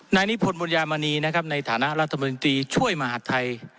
นายนิพนธบุญยามณีนะครับในฐานะรัฐมนตรีช่วยมหาดไทย